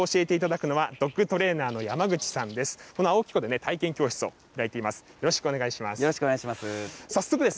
この青木湖で体験教室を開いています。